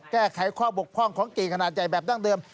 แก้ไขข้อบกพร่องของเก่งขนาดใหญ่แบบดั้งเดิม